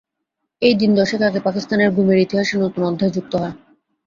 এই দিন দশেক আগে পাকিস্তানের গুমের ইতিহাসে নতুন অধ্যায় যুক্ত হয়।